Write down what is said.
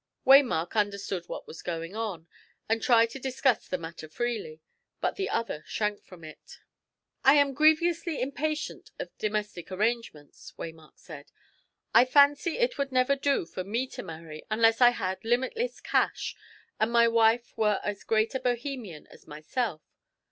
Waymark understood what was going on, and tried to discuss the matter freely, but the other shrank from it. "I am grievously impatient of domestic arrangements," Waymark said. "I fancy it would never do for me to marry, unless I had limitless cash, and my wife were as great a Bohemian as myself.